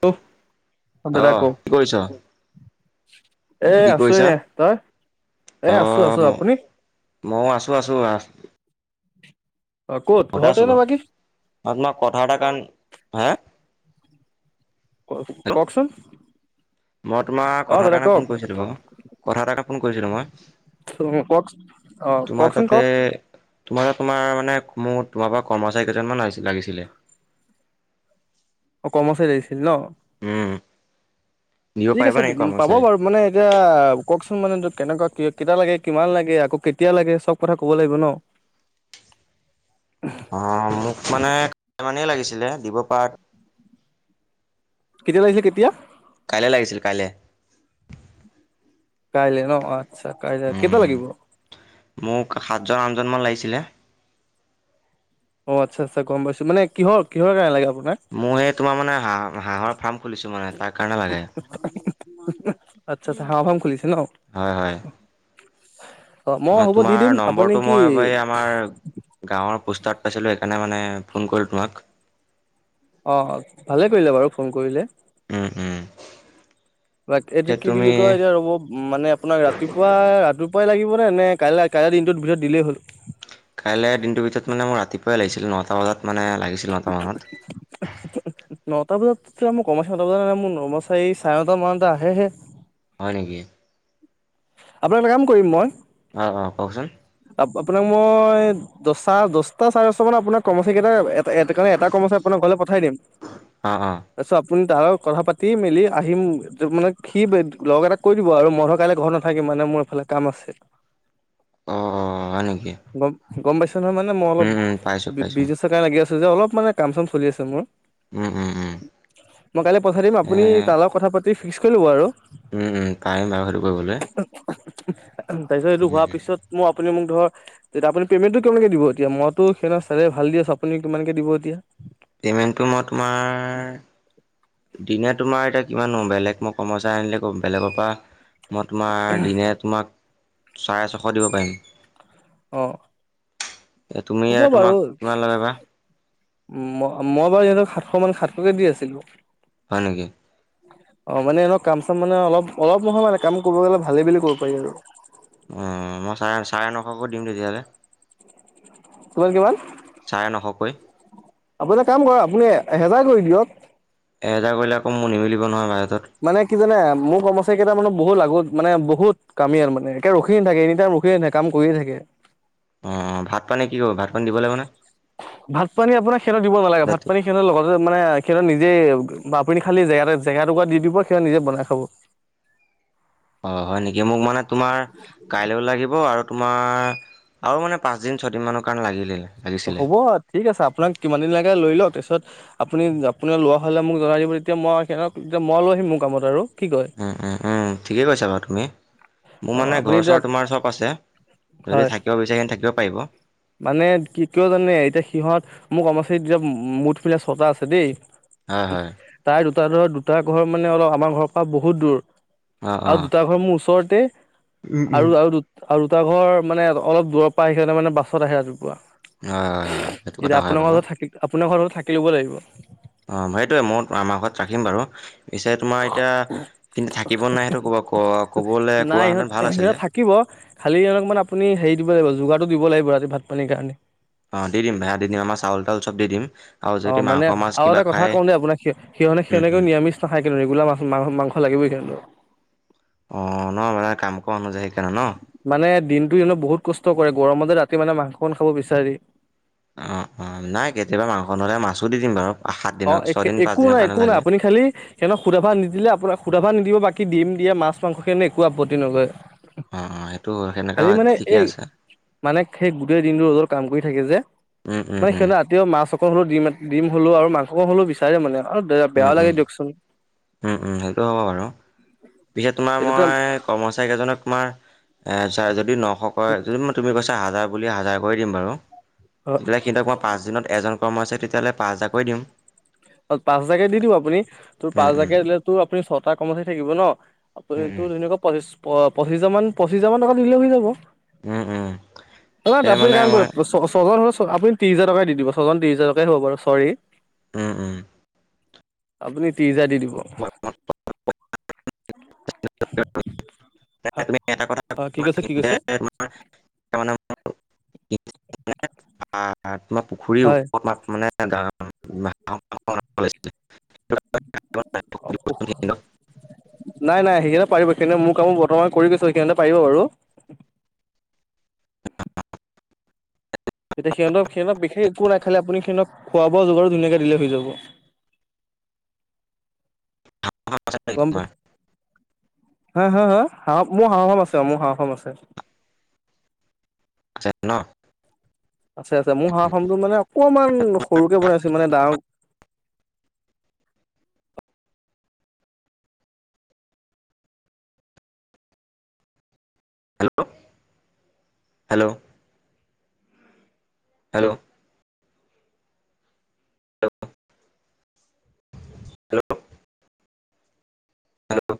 Hello অ দাদা কক। কি কৰিছ? এ কি আছো কৰিছা? এ তই এ আছো অ', আছো আপুনি। ময়ো আছো আছো। অ ক'ত গতে ঘৰতে আছো নে বাৰু বাকী তোমাৰ কথা এটা কাৰণ হা। ক হেল্ল' কওকচোন। মই তোমাৰ অ কথ দাদা কাৰণে কওক ফোন কৰিছিলো বাৰু কথা এটাৰে ফোন কৰিছিলো মই। কওকচ অ তোমাৰ কওকচোন তাতে কওক। তোমাৰ তোমাৰ মানে মোৰ তোমাৰ পৰা কৰ্মচাৰী কেইজনমানি লাগিছিলে। অ কৰ্মচাৰী লাগিছিল ন। উম, দিব ঠিক পাৰিবা আছে নেকি পাব কৰ্মচাৰী? বাৰু মানে এতিয়া কওকচোন। মানেটো কেনেকুৱা কেইটা লাগে কিমান লাগে আকৌ কেতিয়া লাগে চব কথা ক'ব লাগিব ন। অ মোক মানে লাগিছিলে দিব পাৰ। কেতিয়া লাগিছে কেতিয়া। কাইলৈ লাগিছিল কাইলৈ। কাইলৈ ন অ'। আচছা কাইলৈ কেইটা উম। লাগিব। মোক সাতজন আঠজনমান লাগিছিলে। অ আচ্ছা আচ্ছা গম পাইছো মানে কিহ কিহৰ কাৰণে লাগে। আপোনাক মই এই তোমাৰ মানে হাঁহ হাঁহৰ ফাৰ্ম খুলিছো মানে তাৰ কাৰণে লাগে। আচ্ছা আচ্ছা হা ফ্ৰাম খুলিছে ন হয় হয়। [inaudible] মান দি দিম তোমাৰ আপুনি নম্বৰটো কি মই এই আমাৰ গাঁৱৰ পোষ্টত পাইছিলো সেইকাৰণে মানে। ফোন কৰোঁ তোমাক। অঁ ভালে কৰিলে বাৰু ফোন কৰিলে, উম উম। বা এইটো পিছে কি তুমি বুলি কয় এতিয়া ৰ'ব মানে আপোনাক ৰাতিপুৱা ৰাতিপুৱাই লাগিব নে কাইলৈ কাইলৈ দিনটোত ভিতৰত দিলেই হ'ল। কাইলৈ দিনটোৰ ভিতৰত মানে মোৰ ৰাতিপুৱাই লাগিছিল নটা বজাত মানে ল লাগিছিল ন টা মানত, তাৰপিছত তেতিয়া মই কমাইছ তাৰপিছ মোৰ না এই চাৰে নটা মানতে আহেহে,, হয় নিকি আপোনাক এটা কাম কৰিম মই, অ অ কওকচোন? আপোনাক মই দচটা দহটা চাৰে দটা মান আপোনাক কম' সেই কেইটা এটা কাৰণে এটা কৰ্ম চাৰি আছে আপোনাক ঘৰলৈ পঠাই দিম, অঁ অঁ তাৰ আপুনি তা লগত কথা পাতি মেলি আহিম মানে সি লগ এটা কৈ দিব আৰু মইটো কাইলৈ ঘৰ নাথাকিম। মানে মোৰ এইফালে কাম আছে। অঁ অঁ হয় নেকি? গম গম পাইছো নহয় মানে মই অলপ উম উম পাইছোঁ পাইছোঁ বিজনেচৰ কাৰণে লাগি আছো যে অলপ মানে কাম চাম চলি আছে মোৰ। উম উম উম মই কাইলে পঠাই দিম এ আপুনি তাৰ লগত কথা পাতি ফিক্স কৰি ল'ব আৰু উম উম পাৰিম বাৰু সেইটো কৰিবলৈ। তাৰ পিছত এইটো হোৱাৰ উম, পিছত। মই আপুনি মোক ধৰ তেয়া আপুনি পে'মেণ্টটো কিমান কে দিব এতিয়াই সেই চাৰে ভাল দি আছো আপুনি কিমানকে দিব এতিয়া। পেমেন্টটো মই তোমাৰ দিনত, তোমাৰ এতিয়া কিমান বেলেগ মই কমচাৰি আনিলে ক বেলেগৰ পৰা। মই তোমাৰ দিনে তোমাক চাৰে ছশ দিব পাৰিম। অ, এ তুমি তোমাক কিমান লাগে বা। মই বাৰু সিহঁতক সাতশ মান সাতশকে দি আছিলো। হয় নেকি। অ মানে এনেক কাম চাম মানে অলপ অলপ নহয় মানে কাম কৰিব গলে ভালেই বুলি কব পাৰি আৰু অঁ মই চাৰে চাৰে নশকৈ দিম তেতিয়াহ'লে কিমান কিমান চাৰে নশকৈ, আপুনি এটা কাম কৰক আপুনি এহেজাৰ কৰি দিয়ক। এহেজাৰ কৰিলে আকৌ মোৰ নিমিলিব নহয় ভাই, মানে কি জানে মোৰ কমচাৰি কেইটা মানে, বহুত আগত মানে বহুত কামি আৰু মানে একে ৰখিয়ে থাকে এনি টাইম ৰখিয়ে থাকে কাম কৰিয়ে থাকে। অ ভাত পানী কি কৰিব ভাত পানী দিব লাগিব নহয়। ভাত পানী আপোনাৰ সেইটো দিব নালাগে ভাত পানী খেনৰ লগতে মানে সেহঁত নিজে বা আপুনি খালী জেগা জেগা টুকৰা দি দিব সিহ নিজে বনাই খাব। অ হয় নেকি মোক মানে তোমাৰ কাইলৈও লাগিব আৰু তোমাৰ আৰু মানে পাঁচদিন ছয়দিন মানৰ কাৰণে লাগিলে, লাগিছিলে হ'ব ঠিক আছে আপোনাক কিমান দিন লাগে লৈ লও তাৰপিছত, আপুনি আপুনি লোৱা হলে মোক জনাই দিব তেতিয়া মই সিহঁতকতিয়া মই লৈ আহিম মোৰ কামত আৰু কি কয় অ অ ঠিকেই কৈছা বাৰু তুমি, মোৰ অ মানে আপুনি ঘৰ এতিয়া চৰ তোমাৰ চব আছে যদি হয় থাকিব বিচাৰে সন্ত থাকিব পাৰিব। মানে কি কিয় জানে এতিয়া সিহঁত মোৰ কৰ্মচাৰীত এতিয়া মুঠ মিলা ছটা আছে দেই হয় হয় তাই দুটা ধৰ দুটা ঘৰ মানে অলপ আমাৰ ঘৰৰ পৰা বহুত দূৰ। অঁ অঁ আৰু হয় দুটা ঘৰ মোৰ ওচৰতে আৰু আৰু দুটা আৰু দুটা ঘৰ মানে অলপ দূৰ পৰা আহে মানে বাছত আহে ৰাতিপুৱা। হয় হয় সেইটো এতিয়া কথা হয় আপোনাৰ বাৰু ঘৰ থাকি আপোনাৰ ঘৰত থাকি ল'ব লাগিব। অঁ, সেইটোয়ে মই আমাৰ ঘৰত ৰাখিম বাৰু। পিছে তোমাৰ এতিয়া কিন্তু থাকিব নাই সেইটো কব ক কবলৈ নাই ইহঁত কোৱাহেতেন ভাল সিহঁত আছিলে। থাকিব খালি অলকমান আপুনি হেৰি দিব লাগিব যোগাৰটো দিব লাগিব ৰাতি ভাত পানীৰ কাৰণে। অ দি দিম ভাইয়া দি দিম আমাৰ চাউল তাউল চব দি দিম আৰু অ যদি মাংস মানে মাছ আৰু কিবা এটা কথা খায় কওঁ দ আপোনাক স সিহত উম সহনেও উম নিৰামিষ না খাইো ৰেগুলা মাছ মা মাংস লাগিবই। হ অ ন মা কাম কৰানোযায় সেইকাৰণে ন। মানে দিনটো ইহঁতে বহুত কষ্ট কৰে গৰমতে ৰাতি মানে মাংস খ খাব বিচাৰি। অ অ নাই কেতিয়াবা মাংস নহলে মাছো দি দিম বাৰু। সাত দিনৰ অঁ, এক ছয়দিন একো পাঁচদিনৰ নাই কাৰণে একো নাই লাগে। আপুনি খালি সিহঁতক খুন্দা ভাত নিদিলে আপোনাক ভাত নিদিব বাকী দিম দিয়ে মাছ মাংস কাৰণে একো আপত্তি নলয়। অ অ সেইটো সেনেকা হৰি হয় মানে ঠিকে এই আছে মানে সেই গোটেই দিনটো ৰদত কাম কৰি থাকে যে উম উম মানে উম সিহঁত ৰাতিও মাছ অকল হ'লেও দিম দিম হলেও আৰু মাংস হ'লেও বিচাৰে মানে। আৰু বেয়া উম লাগে উম দিয়কচোন। উম উম সেইটো হ'ব বাৰু পিছে তোমাৰ এতিয়াতো মই কৰ্মচাৰীকেইজনক তোমাৰ ছা যদি নশক যদি তুমি কৈছা হাজাৰ বুলি হাজাৰ কৰি দিম বাৰু। তেতিয়াহ'লে সিহক মই পাঁচদিনত এজন কৰ্ম হৈছে তেতিয়াহ'লে পাঁচ হাজাৰাকৈ দিম। পাঁচ হাজাৰকে দি দিওঁ আপুনি তোৰ উম, পাঁচ উম। হাজাৰকে দিলে তোৰ আপুনি ছটা কৰ্মচাৰী থাকিব ন? আপ ধুনুৱা পঁচিশ পচিছ হাজ মান পঁচিছ হাজাৰ মান টকা দিলে হৈ যাব। উম, উম। অ পিছে তাপৰি মানে কাম কৰে মই ছজন আপুনি ত্ৰি হাজাৰ টকা দি দিব ছজন ত্ৰিছ হাজাৰকে হব বাৰু চৰি। উম উম। আপুনি ত্ৰিশ হাজাৰ দি দিব। হা তুমি এটা কথা অ' কি কৈছে, কি কৈছে? [unintelligible] তোমাৰ পুখুৰীৰ হয়। ওপৰত মানে [unintelligible] [inaudible] [inaudible] নাই নাই সেইখিনে পাৰিব সেইখিনে মোৰ কামো বৰ্তমান কৰি গৈছো সেইখিনিতে পাৰিব বাৰু। [inaudible] তেতিয়া সিহঁতক সিহঁতক বিশেষ একো নাই খালি আপুনি সিহঁতক খোৱা বোৱা যোগাৰ ধুনীয়াকে দিলেই হৈ যাব। [inaudible] মানুহ আছে টুটেল গম পাই কিমান? হা হা হা হাঁহ মোৰ হাঁহ কাম আছে। অ' মোৰ হাঁহ কাম আছে। ছে ন আছে আছে মোৰ হাঁহ ফামটো মানে অকমান সৰুকে বনাই আছোঁ মানে ডাঙৰকে hello hello hello hello hello